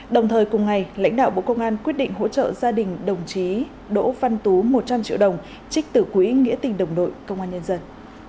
đồng thời cùng ngày lãnh đạo bộ công an quyết định hỗ trợ gia đình đồng chí đỗ văn tú một trăm linh triệu đồng trích tử quý nghĩa tình đồng đội công an nhân dân